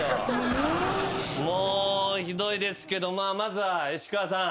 もうひどいですけどまずは石川さん。